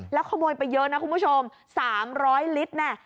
แล้วขโมยไปเยอะนะคุณผู้ชม๓๐๐ลิตรน่ะ